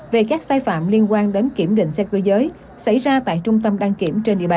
về các sai phạm liên quan đến kiểm định xe cơ giới xảy ra tại trung tâm đăng kiểm trên địa bàn